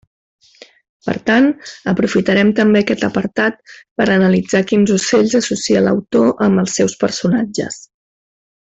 Per tant, aprofitarem també aquest apartat per a analitzar quins ocells associa l'autor amb els seus personatges.